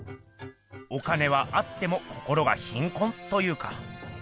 お金はあっても心が貧困というか。